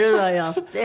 って。